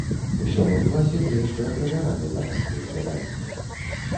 У сёмым класе мы яшчэ правяралі дамашняе заданне.